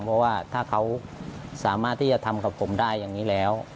เพราะว่าถ้าเขาสามารถที่จะทำกับผมได้อย่างนี้แล้ว